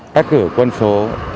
các cửa quân số